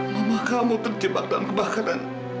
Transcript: mamakamu terjebak dalam kebakaran